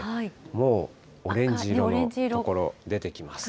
もうオレンジ色の所、出てきます